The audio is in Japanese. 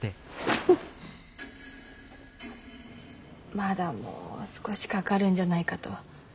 まだもう少しかかるんじゃないかと。